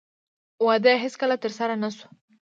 واده یې هېڅکله ترسره نه شو